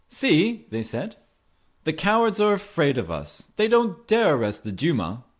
"See!" they said. "The cowards are afraid of us. They don't dare arrest the Duma!